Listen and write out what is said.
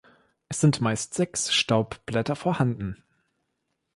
Es sind meist sechs Staubblätter vorhanden.